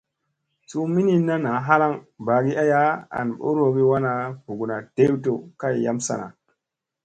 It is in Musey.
Suu minin na halaŋ ɓagi aya an ɓorowogi wana ɓuguna dew dew kay yam sana.